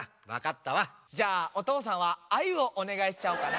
じゃあおとうさんはアユをおねがいしちゃおうかな。